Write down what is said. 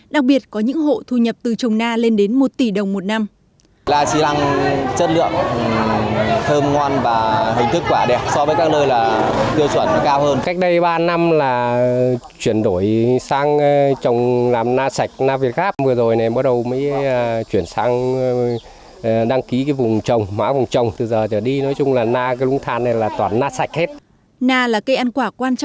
đặc biệt có những hộ thu nhập từ trồng na lên đến một tỷ đồng một năm